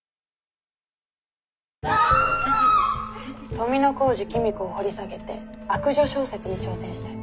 「富小路公子を掘り下げて悪女小説に挑戦したい。